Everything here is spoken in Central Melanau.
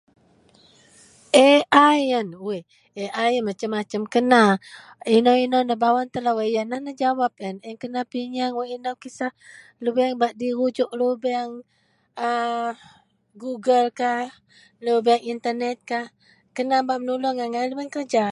AI YEN WOI, AI YEN MACEM-MACEM KENA, INAU-INAU NEBAWEN TELO, WAK YEN LAH NEJAWAP SIEN. A YEN KENA PINYEANG WAK INO KISAH DIRUJUK LUBENG A A GOGGLE LAH LUBENG INTERNET KAH KENA BAK MENULUONG ANGAI LUBENG KEJA